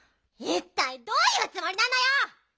いったいどういうつもりなのよ！